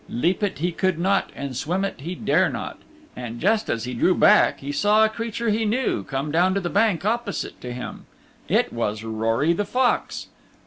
Leap it he could not, and swim it he dare not. And just as he drew back he saw a creature he knew come down to the bank opposite to him. It was Rory the Fox.